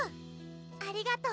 ありがとう。